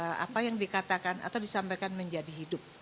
yang membuat apa yang dikatakan atau disampaikan menjadi hidup